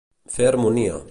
Fer harmonia.